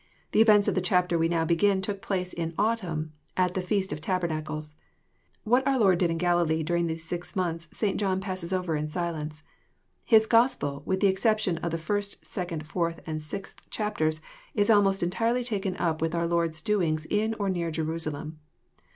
The events of the chapter wenoovTbegln took place in autumn, at the feast of tabernacles. What our Lord did in Galilee during these six months St. Johnj asse s over in silence. His Gospel, with the exception of the Is^ 2nd, 4th, and 6th chapters, is almost entirely taken up with our Lord's doings in or near Jerusalem.